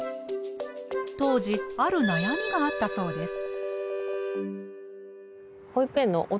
当時あるなやみがあったそうです。